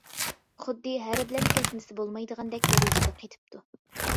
خۇددى ھەرە بىلەن كەسمىسە بولمايدىغاندەك دەرىجىدە قېتىپتۇ.